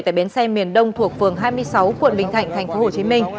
tại bến xe miền đông thuộc phường hai mươi sáu quận bình thạnh tp hcm